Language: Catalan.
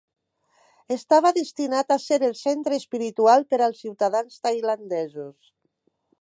Estava destinat a ser el centre espiritual per als ciutadans tailandesos.